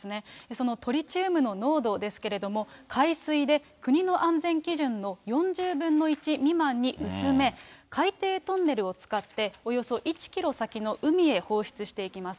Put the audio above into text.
そのトリチウムの濃度ですけれども、海水で国の安全基準の４０分の１未満に薄め、海底トンネルを使って、およそ１キロ先の海へ放出していきます。